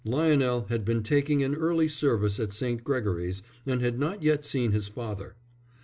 Lionel had been taking an early service at St. Gregory's, and had not yet seen his father.